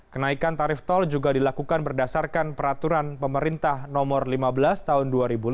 kenaikan tarif tol juga dilakukan berdasarkan peraturan pemerintah nomor lima belas tahun dua ribu lima belas